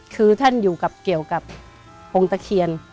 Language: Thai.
คือท่านอยู่เกี่ยวกับโพงตะเคียน